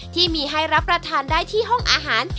ที่มีให้รับประทานได้ที่ห้องอาหาร